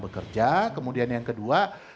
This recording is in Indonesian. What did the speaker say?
bekerja kemudian yang kedua